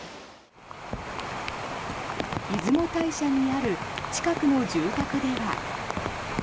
出雲大社にある近くの住宅では。